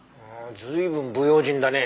随分不用心だね。